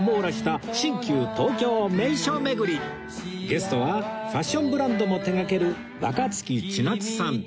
ゲストはファッションブランドも手掛ける若槻千夏さん